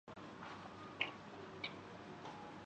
ہم میں وہ خصوصیات کیسے پیداہونگی؟